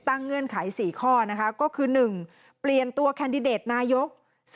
เงื่อนไข๔ข้อนะคะก็คือ๑เปลี่ยนตัวแคนดิเดตนายก